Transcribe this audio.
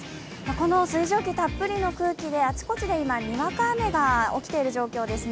この水蒸気たっぷりの空気であちこちで今、にわか雨が起きている状況です